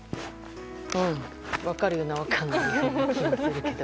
うん分かるような分からないような気がするけど。